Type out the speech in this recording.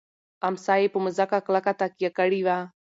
امسا یې په مځکه کلکه تکیه کړې وه.